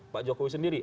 pak jokowi sendiri